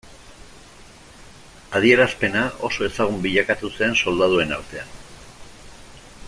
Adierazpena oso ezagun bilakatu zen soldaduen artean.